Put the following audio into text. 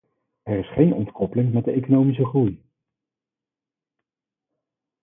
Er is geen ontkoppeling met de economische groei.